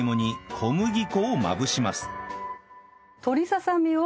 鶏ささみを。